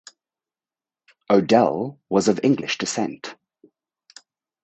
Odell was of English descent.